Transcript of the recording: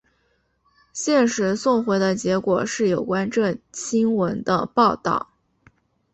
现时送回的结果是有关这新闻的报道。